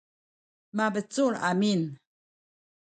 mabecul amin